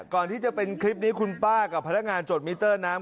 ก่อนที่จะเป็นคลิปนี้คุณป้ากับพนักงานจดมิเตอร์น้ำ